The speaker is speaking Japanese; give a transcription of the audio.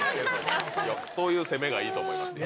そういう攻めがいいと思いますよ。